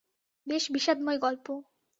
বেশ বিষাদময় গল্প।